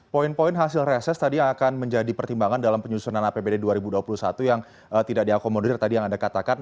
poin poin hasil reses tadi yang akan menjadi pertimbangan dalam penyusunan apbd dua ribu dua puluh satu yang tidak diakomodir tadi yang anda katakan